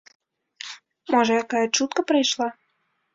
Можа якая чутка прайшла?